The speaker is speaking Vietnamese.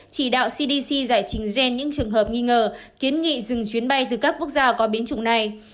chỉ đạo cdc giải trình gen những trường hợp nghi ngờ kiến nghị dừng chuyến bay từ các quốc gia có biến chủng này